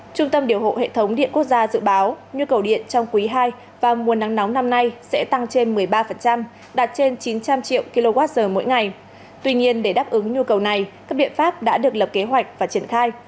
trung tâm điều hộ hệ thống điện quốc gia dự báo nhu cầu điện trong quý ii vào mùa nắng nóng năm nay sẽ tăng trên một mươi ba đạt trên chín trăm linh triệu kwh mỗi ngày tuy nhiên để đáp ứng nhu cầu này các biện pháp đã được lập kế hoạch và triển khai